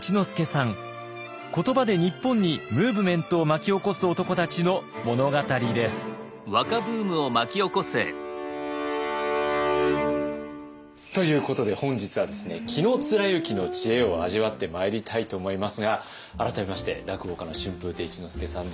言葉で日本にムーブメントを巻き起こす男たちの物語です。ということで本日はですね紀貫之の知恵を味わってまいりたいと思いますが改めまして落語家の春風亭一之輔さんです。